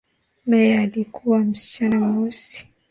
Mary alikuwa msichana mweusi